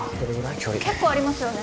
距離結構ありますよね